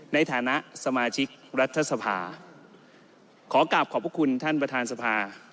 ในฐานะสมาชิกรัฐสภาขอกลับขอบพระคุณท่านประธานสภา